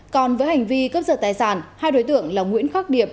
còn với hành vi cấp dật tài sản hai đối tượng là nguyễn khắc điệp